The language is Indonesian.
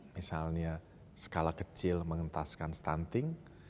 misalnya skala kecil mengentaskan stunting